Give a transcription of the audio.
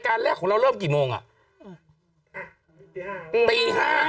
กล้องกว้างอย่างเดียว